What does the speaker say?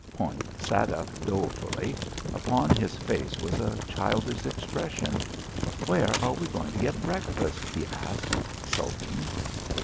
Point sat up dolefully. Upon his face was a childish expression. "Where are we going to get breakfast?" he asked, sulking.